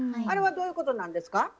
あれはどういうことなんですか？